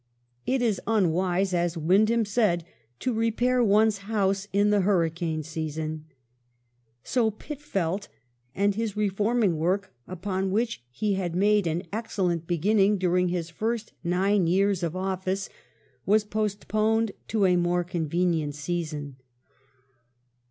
It is unwise, as Wind ham said, to repair one's house in the hurricane season. So Pitt felt, and his reforming work, upon which he had made an excellent beginning during his first nine years of office, was postponed to a more convenient season.